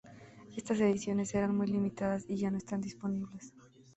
Estas ediciones eran muy limitadas y ya no están disponibles.